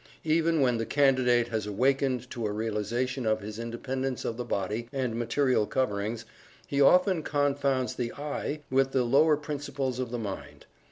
Even when the Candidate has awakened to a realization of his independence of the body, and material coverings, he often confounds the "I" with the lower principles of the mind.